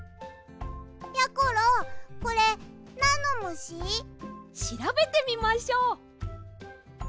やころこれなんのむし？しらべてみましょう。